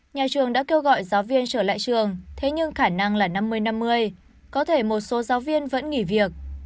nhà trường đã kêu gọi giáo viên trở lại trường thế nhưng khả năng là năm mươi năm mươi có thể một số giáo viên vẫn nghỉ việc